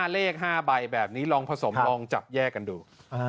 เลข๕ใบแบบนี้ลองผสมลองจับแยกกันดู